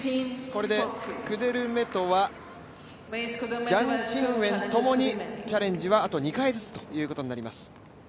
これでクデルメトワ、ジャン・チンウェンともにチャンレジはあと２回ずつということになります。